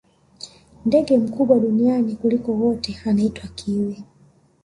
ndege mkubwa duniani kuliko wote anaitwa kiwi